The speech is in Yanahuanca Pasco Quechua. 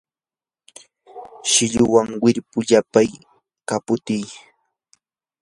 silluwan wirpu llapiy, kaputiy